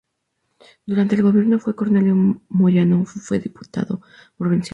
Durante el gobierno de Juan Cornelio Moyano fue diputado provincial.